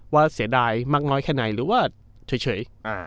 เสียดายมากน้อยแค่ไหนหรือว่าเฉย